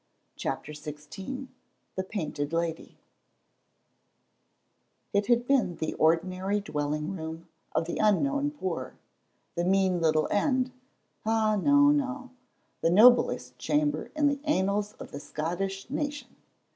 CHAPTER XVI THE PAINTED LADY It had been the ordinary dwelling room of the unknown poor, the mean little "end" ah, no, no, the noblest chamber in the annals of the Scottish nation.